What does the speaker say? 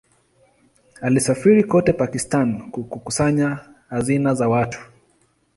Alisafiri kote Pakistan kukusanya hazina za watu.